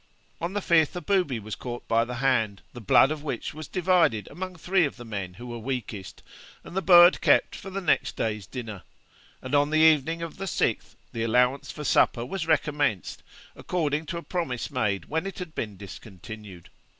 ' On the 5th a booby was caught by the hand, the blood of which was divided among three of the men who were weakest, and the bird kept for next day's dinner; and on the evening of the 6th the allowance for supper was recommenced, according to a promise made when it had been discontinued.